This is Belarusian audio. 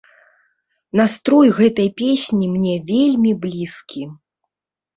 Настрой гэтай песні мне вельмі блізкі.